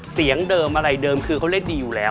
เสียงเดิมอะไรเดิมคือเขาเล่นดีอยู่แล้ว